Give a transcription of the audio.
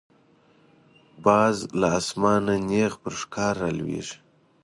باز له آسمانه نیغ پر ښکار را لویږي